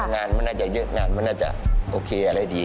งานมันน่าจะเยอะงานมันน่าจะโอเคอะไรดี